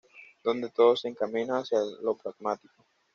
Donde todo se encamina hacia lo programático.